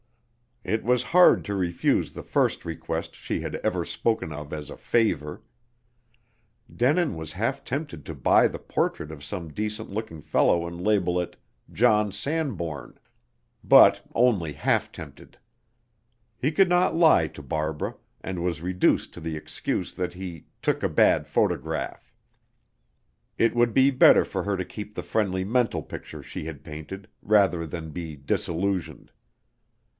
It was hard to refuse the first request she had ever spoken of as a "favor." Denin was half tempted to buy the portrait of some decent looking fellow and label it "John Sanbourne"; but only half tempted. He could not lie to Barbara, and was reduced to the excuse that he "took a bad photograph." It would be better for her to keep the friendly mental picture she had painted, rather than be disillusioned.